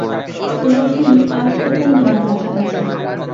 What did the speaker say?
রোশনি, আজ তো পূর্ণিমার কাছাকাছি।